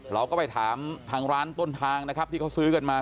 เราก็ไปถามทางร้านต้นทางนะครับที่เขาซื้อกันมา